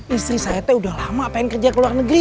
istri saya teh udah lama pengen kerja ke luar negeri